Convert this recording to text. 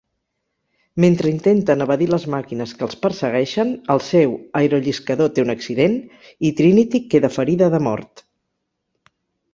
Mentre intenten evadir les màquines que els persegueixen, el seu aerolliscador té un accident, i Trinity queda ferida de mort.